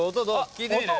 聞いてみる？